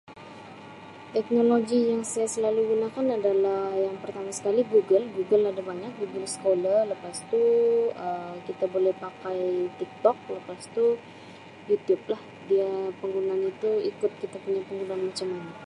Teknologi yang saya selalu gunakan adalah yang pertama sekali Google Google ada banyak Google Scholar lepas tu Um kita boleh pakai Tik Tok lepas tu Youtube lah dia penggunaan itu ikut kita punya keperluan macam mana.